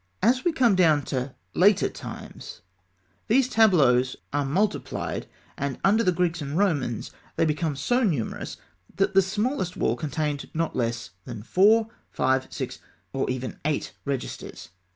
] As we come down to later times, these tableaux are multiplied, and under the Greeks and Romans they become so numerous that the smallest wall contained not less than four (fig. 107), five, six, or even eight registers.